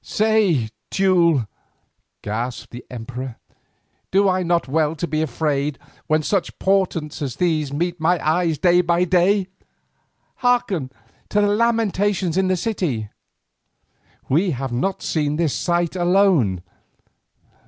"Say, Teule," gasped the emperor, "do I not well to be afraid when such portents as these meet my eyes day by day? Hearken to the lamentations in the city; we have not seen this sight alone.